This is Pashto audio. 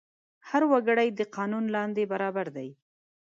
هر وګړی د قانون لاندې برابر دی.